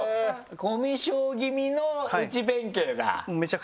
コミュ障気味の内弁慶だ。